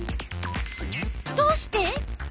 どうして？